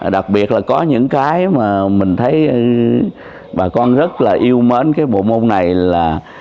đặc biệt là có những cái mà mình thấy bà con rất là yêu mến cái bộ môn này là